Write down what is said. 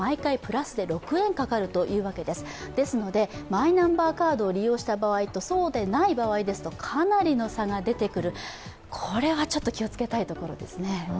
マイナンバーカードを利用した場合と、そうでない場合ですとかなりの差が出てくる、これはちょっと気を付けたいところですね。